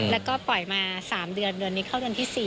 แล้วก็ปล่อยมา๓เดือนวันนี้เข้าจนที่๔